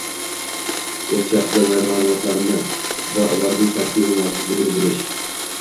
o‘z shaxsga doir ma’lumotlari va ularning tarkibi mavjudligini bilish;